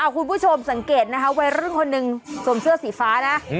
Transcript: คุณผู้ชมสังเกตนะคะวัยรุ่นคนหนึ่งสวมเสื้อสีฟ้านะ